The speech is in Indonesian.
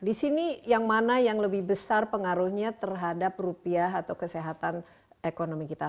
di sini yang mana yang lebih besar pengaruhnya terhadap rupiah atau kesehatan ekonomi kita